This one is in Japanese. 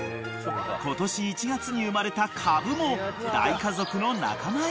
［今年１月に生まれたかぶも大家族の仲間入り］